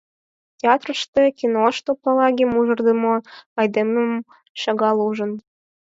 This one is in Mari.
Театрыште, киношто Палаги мужырдымо айдемым шагал ужын.